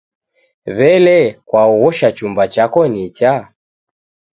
W'ele, kwaoghosha chumba chako nicha?